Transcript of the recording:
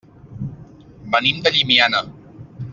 Venim de Llimiana.